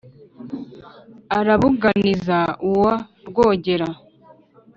arabúganiriza uwa rwógéra